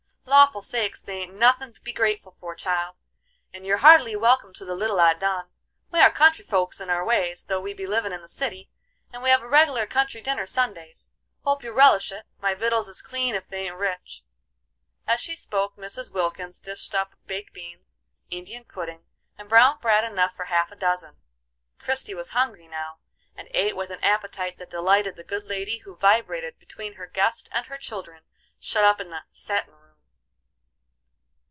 "Lawful sakes, the' ain't nothing to be grateful for, child, and you're heartily welcome to the little I done. We are country folks in our ways, though we be livin' in the city, and we have a reg'lar country dinner Sundays. Hope you'll relish it; my vittles is clean ef they ain't rich." As she spoke, Mrs. Wilkins dished up baked beans, Indian pudding, and brown bread enough for half a dozen. Christie was hungry now, and ate with an appetite that delighted the good lady who vibrated between her guest and her children, shut up in the "settin' room."